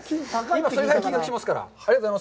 今、それぐらいの金額しますから。